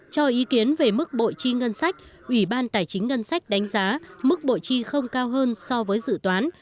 cho ý kiến về mức bộ chi ngân sách ủy ban tài chính ngân sách đánh giá mức bộ chi không cao hơn so với dự toán